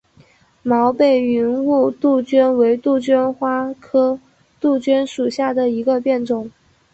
毛背云雾杜鹃为杜鹃花科杜鹃属下的一个变种。